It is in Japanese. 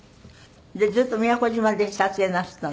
ずっと宮古島で撮影なすったの？